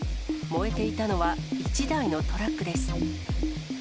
燃えていたのは１台のトラックです。